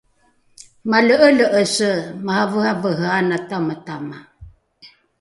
male’ele’ese maraverevere ana tamatama